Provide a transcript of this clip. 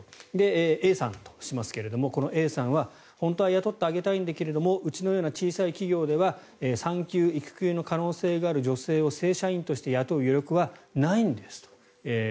Ａさんとしますが、このＡさんは本当は雇ってあげたいんだけどもうちのような小さい企業では産休・育休の可能性がある女性を正社員として雇う余力はないんですと。